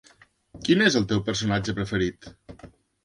Quin és el teu personatge preferit?